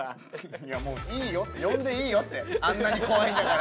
いやもういいよって呼んでいいよってあんなに怖いんだから。